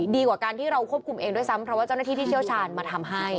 ดีกว่าการที่เราควบคุมเองด้วยซ้ำเพราะว่าเจ้าหน้าที่ที่เชี่ยวชาญมาทำให้